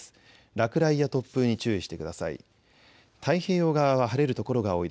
落雷や突風に注意してください。